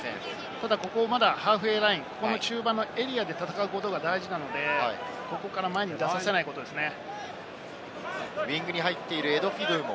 ただ、まだハーフウェイライン、中盤のエリアで戦うことが大事なので、ここから前に出させないことですね。